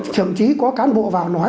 thậm chí có cán bộ vào nói